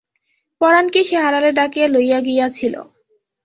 পরাণকে সে আড়ালে ডাকিয়া লইয়া গিয়াছিল।